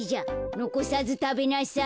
のこさずたべなさい。